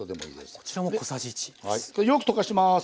よく溶かします。